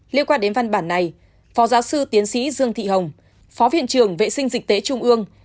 liên quan đến văn bản này phó giáo sư tiến sĩ dương thị hồng phó viện trường vệ sinh dịch tế trung ương